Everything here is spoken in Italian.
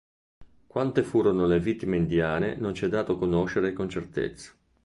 Quante furono le vittime indiane non ci è dato conoscere con certezza.